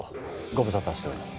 ご無沙汰しております